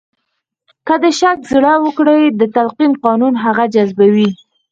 که د شک زړي وکرئ د تلقین قانون هغه جذبوي